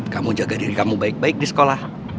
kamu jaga diri kamu baik baik di sekolah